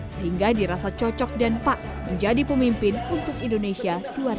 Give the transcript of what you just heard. sehingga dirasa cocok dan pas menjadi pemimpin untuk indonesia dua ribu dua puluh